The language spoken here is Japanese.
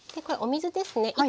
これお水ですね。